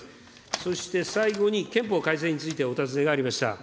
そして、最後に憲法改正についてお尋ねがありました。